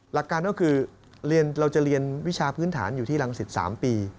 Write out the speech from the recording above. หลักการก็คือเราจะเรียนวิชาพื้นฐานอยู่ที่รังสิต๓ปี